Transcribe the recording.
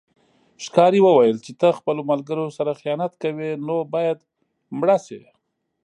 ښکاري وویل چې ته خپلو ملګرو سره خیانت کوې نو باید مړه شې.